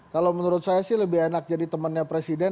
kalau menurut saya sih lebih enak jadi temannya presiden